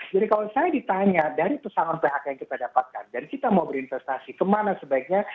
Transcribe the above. jadi kalau saya ditanya dari persamaan phk yang kita dapatkan dari kita mau berinvestasi kemana sebaiknya